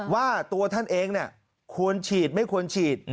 ว่าตัวท่านเองควรฉีดไม่ควรฉีด